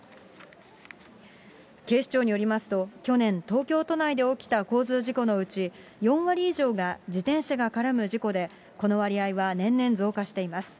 警視庁によりますと、去年、東京都内で起きた交通事故のうち、４割以上が自転車が絡む事故で、この割合は年々増加しています。